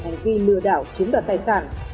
trương mỹ hằng bị lừa đảo chiếm đoạt tài sản